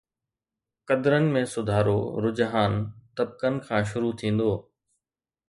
قدرن ۾ سڌارو رجحان طبقن کان شروع ٿيندو.